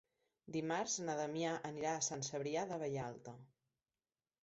Dimarts na Damià anirà a Sant Cebrià de Vallalta.